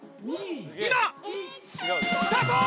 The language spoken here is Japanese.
今スタート！